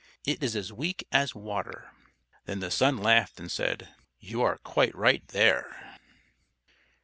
It is as weak as water." Then the Sun laughed and said, "You are quite right there!"